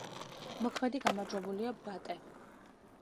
მოქმედი გამარჯვებულია „ბატე“.